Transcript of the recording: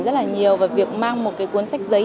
rất là nhiều và việc mang một cái cuốn sách giấy